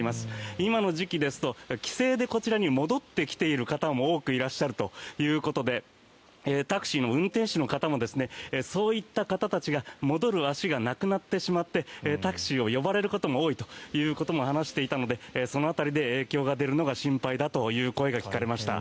今の時期ですと帰省でこちらに戻ってきている方も多くいらっしゃるということでタクシーの運転手の方もそういった方たちが戻る足がなくなってしまってタクシーを呼ばれることが多いということも話していたのでその辺りで影響が出るのが心配だという声が聞かれました。